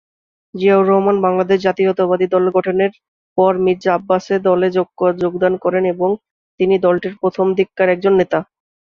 জিয়াউর রহমান বাংলাদেশ জাতীয়তাবাদী দল গঠনের পর মির্জা আব্বাস এ দলে যোগদান করেন এবং তিনি দলটির প্রথমদিককার একজন নেতা।